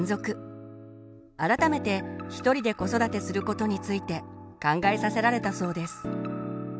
改めて一人で子育てすることについて考えさせられたそうです。